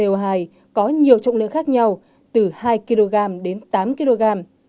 bình bột khô và bình co hai có nhiều trọng lượng khác nhau từ hai kg đến tám kg